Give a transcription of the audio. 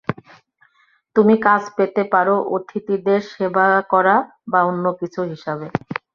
তুমি কাজ পেতে পারো অতিথিদের সেবা করা বা অন্য কিছু হিসাবে।